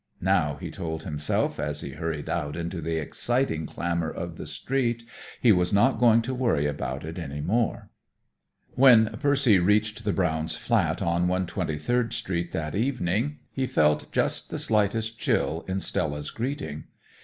Now, he told himself as he hurried out into the exciting clamor of the street, he was not going to worry about it any more. When Percy reached the Browns' flat on 123d Street that evening he felt just the slightest chill in Stella's greeting.